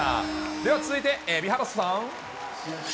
では続いて蛯原さん。